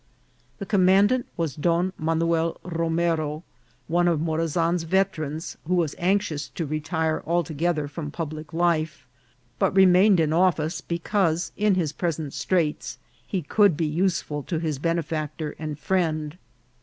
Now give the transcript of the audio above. The commandant was Don Manuel Romero, one of Morazan's veterans, who was anxious to retire altogeth er from public life, but remained in office because, in his present straits, he could be useful to his benefactor and friend.